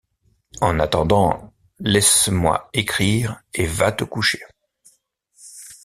En attendant laisse-moi écrire et va te coucher.